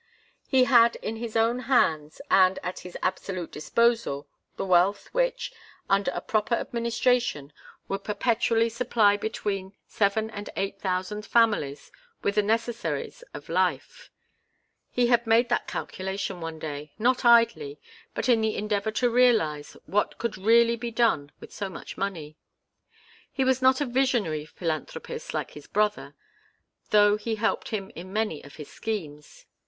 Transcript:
He had in his own hands and at his absolute disposal the wealth which, under a proper administration, would perpetually supply between seven and eight thousand families with the necessaries of life. He had made that calculation one day, not idly, but in the endeavour to realize what could really be done with so much money. He was not a visionary philanthropist like his brother, though he helped him in many of his schemes.